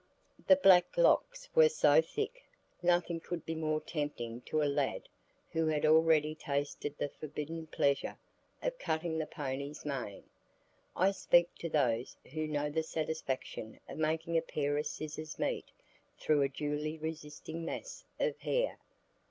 The black locks were so thick, nothing could be more tempting to a lad who had already tasted the forbidden pleasure of cutting the pony's mane. I speak to those who know the satisfaction of making a pair of scissors meet through a duly resisting mass of hair.